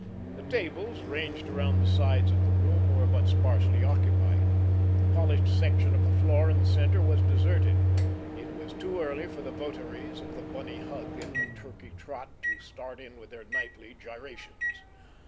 The tables, ranged around the sides of the room, were but sparsely occupied; the polished section of the floor in the center was deserted—it was too early for the votaries of the bunny hug and the turkey trot to start in on their nightly gyrations.